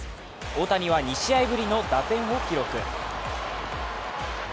大谷は２試合ぶりの打点を記録。